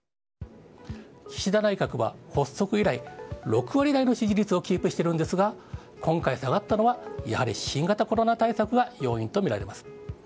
岸田内閣は発足以来、６割台の支持率をキープしているんですが、今回、下がったのはやはり新型コロナ対策が要因と見られます。